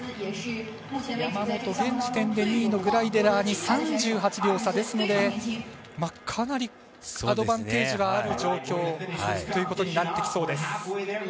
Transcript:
山本、現時点で２位のグライデラーに３８秒差ですのでかなりアドバンテージはある状況ということになってきそうです。